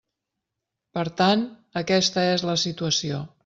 Per tant, aquesta és la situació.